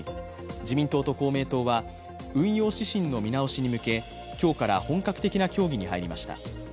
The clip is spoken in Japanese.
自民党と公明党は運用指針の見直しに向け今日から本格的な協議に入りました。